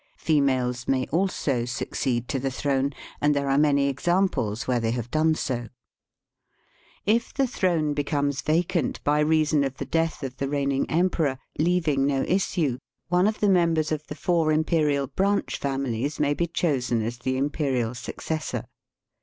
Females may also succeed to the throne, and there are many examples where they have done so. If the throne becomes vacant by reason of the death of the reigning emperor, leaving no issue, one of the members of the four imperial branch families may be chosen as Digitized by VjOOQIC 88 EAST BY WEST. the imperial successor.